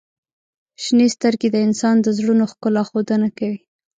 • شنې سترګې د انسان د زړونو ښکلا ښودنه کوي.